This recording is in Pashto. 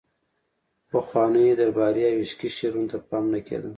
پخوانیو درباري او عشقي شعرونو ته پام نه کیده